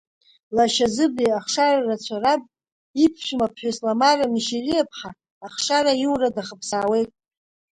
Лашьа Зыбеи ахшара рацәа раб, иԥшәма ԥҳәыс Ламара Мишьелиа-ԥҳа ахшара аиура дахԥсаауеит.